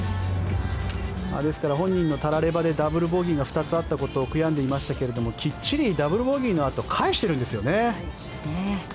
ですから本人も、たらればでダブルボギーがあったことを悔やんでいましたけれどもきっちりダブルボギーのあと返してるんですよね。